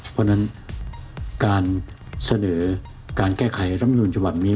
เพราะฉะนั้นการแก้ไขรับนูนฉบับนี้